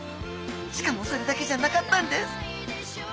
しかもそれだけじゃなかったんです。